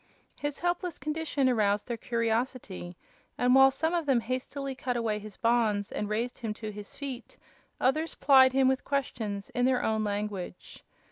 His helpless condition aroused their curiosity, and while some of them hastily cut away his bonds and raised him to his feet, other plied him with questions in their own language.